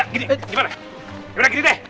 gimana gini deh